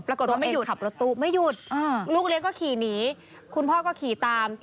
ตัวเองขับรถตู้รูปเลี้ยงก็ขี่หนีคุณพ่อก็ขี่ตาม